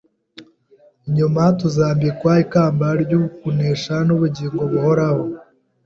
nyuma tuzambwikwa ikamba ryo kunesha n’ubugingo buhoraho!